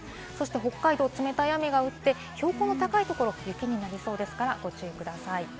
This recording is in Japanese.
北海道、冷たい雨が降って、標高の高いところは雪になりそうですからご注意ください。